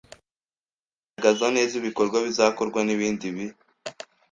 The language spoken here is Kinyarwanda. Kugaragaza neza ibikorwa bizakorwa n ibindi b